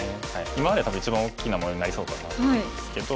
今までで多分一番大きな模様になりそうかなと思うんですけど。